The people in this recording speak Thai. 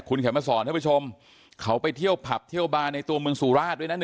เขียนมาสอนท่านผู้ชมเขาไปเที่ยวผับเที่ยวบาร์ในตัวเมืองสุราชด้วยนะ